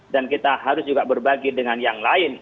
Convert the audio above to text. dan kita harus juga berbagi dengan yang lain